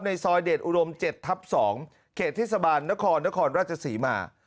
ซอยเดชอุดม๗ทับ๒เขตเทศบาลนครนครราชศรีมา